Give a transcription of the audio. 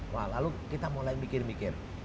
wah lalu kita mulai mikir mikir